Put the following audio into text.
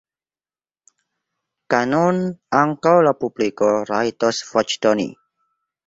Kaj nun ankaŭ la publiko rajtos voĉdoni.